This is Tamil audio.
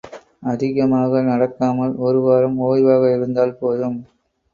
அதிகமாக நடக்காமல் ஒருவாரம் ஓய்வாக இருந்தால் போதும்.